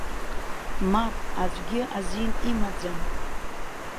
Мап аӡәгьы азин имаӡам!